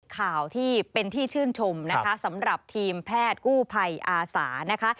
ข่าวที่เป็นที่ชื่นชมนะคะสำหรับทีมแพทย์กู้ภัยอาสานะคะ